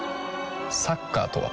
サッカーとは？